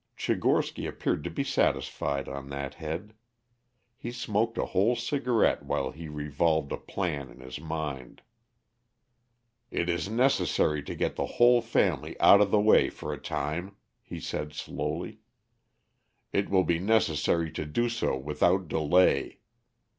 Tchigorsky appeared to be satisfied on that head. He smoked a whole cigarette while he revolved a plan in his mind. "It is necessary to get the whole family out of the way for a time," he said slowly. "It will be necessary to do so without delay.